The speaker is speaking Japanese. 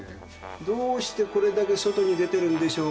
どうしてこれだけ外に出てるんでしょうか？